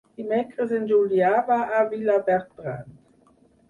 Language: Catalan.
Dimecres en Julià va a Vilabertran.